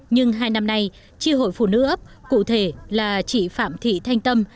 nhưng hai năm nay tri hội phụ nữ ấp cụ thể là chị phạm thị thanh tâm